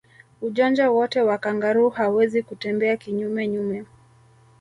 Ujanja wote wa kangaroo hawezi kutembea kinyume nyume